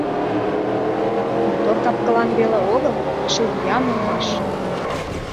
Мотор кап-кылан веле огыл, эше виян улмаш.